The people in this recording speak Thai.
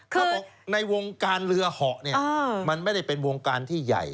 เขาบอกในวงการเรือเหาะเนี่ยมันไม่ได้เป็นวงการที่ใหญ่